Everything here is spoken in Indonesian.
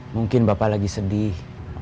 mungkin bapak lagi sedih